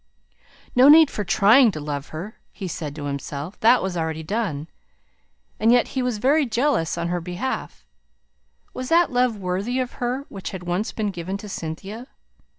No need for "trying" to love her, he said to himself, that was already done. And yet he was very jealous on her behalf. Was that love worthy of her which had once been given to Cynthia?